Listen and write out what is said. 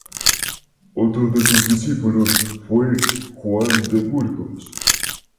Otro de sus discípulos fue Juan de Burgos.